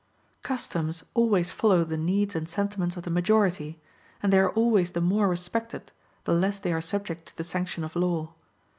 Customs always follow the needs and sentiments of the majority; and they are always the more respected, the less they are subject to the sanction of law.